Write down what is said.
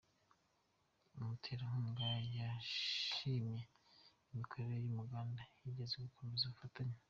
Umuterankunga yashimye imikorere y’uruganda yizeza gukomeza ubufatanye.